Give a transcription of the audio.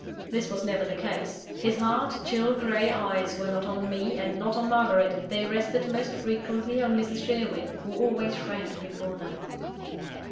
This was never the case. His hard, chill grey eyes were not on me, and not on Margaret: they rested most frequently on Mrs. Sherwin, who always shrank before them.